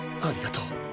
ありがとう。